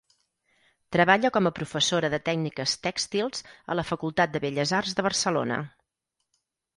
Treballa com a professora de tècniques tèxtils a la Facultat de Belles Arts de Barcelona.